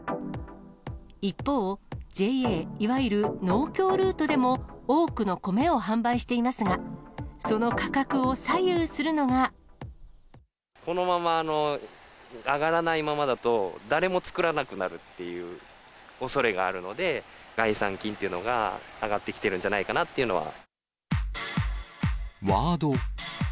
一方、ＪＡいわゆる農協ルートでも、多くの米を販売していますが、このまま上がらないままだと、誰も作らなくなるっていうおそれがあるので、概算金っていうのが上がってきてるんじゃないかなっていうのは。